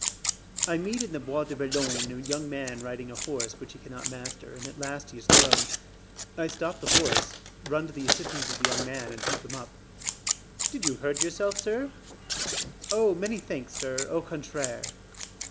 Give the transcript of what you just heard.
I meet in the Bois de Boulogne a young man riding a horse which he cannot master, and at last he is thrown. I stop the horse, run to the assistance of the young man and help him up. "Did you hurt yourself, sir?" "Oh, many thanks, sir, au contraire."